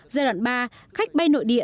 giai đoạn ba khách bay nội địa